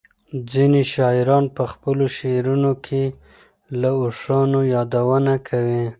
ځینې شاعران په خپلو شعرونو کې له اوښانو یادونه کوي.